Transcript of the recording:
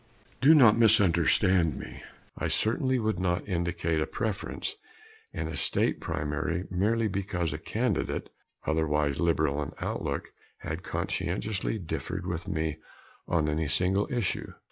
Do not misunderstand me. I certainly would not indicate a preference in a state primary merely because a candidate, otherwise liberal in outlook, had conscientiously differed with me on any single issue.